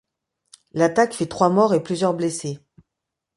L’attaque fit trois morts et plusieurs blessés.